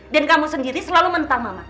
dan kamu sendiri selalu mentah mama